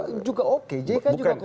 jk kan juga oke jk juga kompeten